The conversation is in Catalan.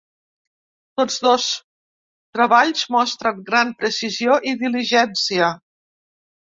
Tots dos treballs mostren gran precisió i diligència.